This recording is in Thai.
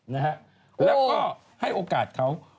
แล้วก็ให้โอกาสเขา